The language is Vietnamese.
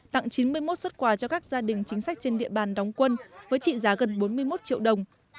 tặng chín mươi một xuất quà cho các gia đình chính sách trên địa bàn đóng quân với trị giá gần bốn mươi một triệu đồng